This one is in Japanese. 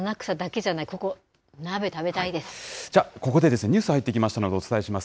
じゃあ、ここでですね、ニュース入ってきましたので、お伝えします。